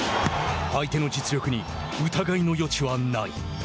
相手の実力に疑いの余地はない。